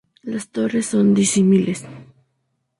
Las torres son disímiles.